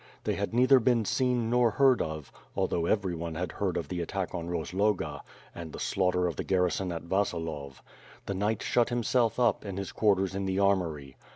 They had neither been seen nor heard of, although every one had heard of the attack on Rozloga, and the slaughter of the gar rison at Vasilov. The knight shut himself up, in his quar ters in the armory.